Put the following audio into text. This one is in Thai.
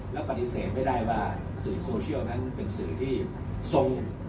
แล้วปฏิเสธไม่ได้ว่าสื่อโซเชียลนั้นเป็นจุดอ่อนในเรื่องของการใช้โซเชียล